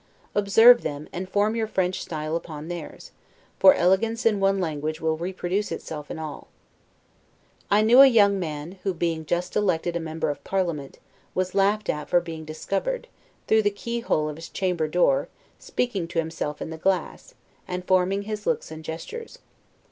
Observe them, and form your French style upon theirs: for elegance in one language will reproduce itself in all. I knew a young man, who, being just elected a member of parliament, was laughed at for being discovered, through the keyhole of his chamber door, speaking to himself in the glass, and forming his looks and gestures.